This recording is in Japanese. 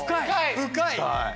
深い。